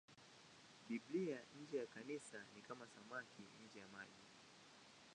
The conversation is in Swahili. Biblia nje ya Kanisa ni kama samaki nje ya maji.